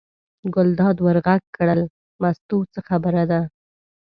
ګلداد ور غږ کړل: مستو څه خبره ده.